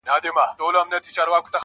جنگ دی سوله نه اكثر